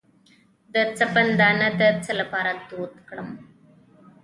د سپند دانه د څه لپاره دود کړم؟